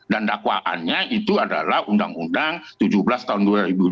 dan dakwaannya itu adalah undang undang tujuh belas tahun dua ribu enam belas